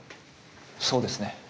そうですね。